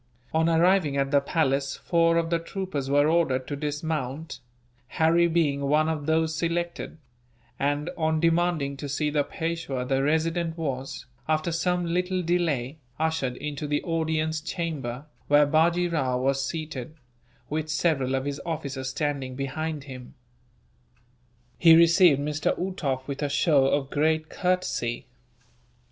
On arriving at the palace four of the troopers were ordered to dismount Harry being one of those selected and, on demanding to see the Peishwa the Resident was, after some little delay, ushered into the audience chamber, where Bajee Rao was seated, with several of his officers standing behind him. He received Mr. Uhtoff with a show of great courtesy.